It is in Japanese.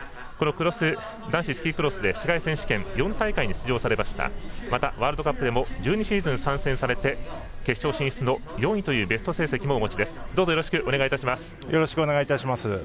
この男子スキークロスで世界選手権４大会に出場されてまた、ワールドカップでも１２シーズン参戦されて決勝進出、４位というベスト成績もお持ちです。